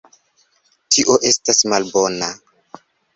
Tio estas malbona